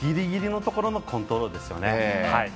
ぎりぎりのところのコントロールですよね。